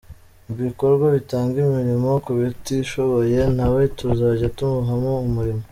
Mu bikorwa bitanga imirimo ku batishoboye na we tuzajya tumuhamo umurimo.